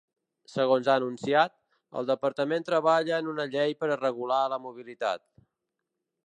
Segons ha anunciat, el departament treballa en una llei per a regular la mobilitat.